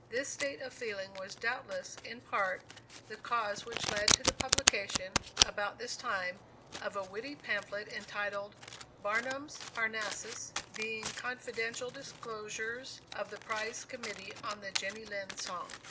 This state of feeling was doubtless, in part, the cause which led to the publication, about this time, of a witty pamphlet entitled "Barnum's Parnassus; being Confidential Disclosures of the Prize Committee on the Jenny Lind song."